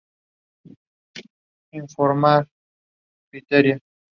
Se recuperaron algunos restos.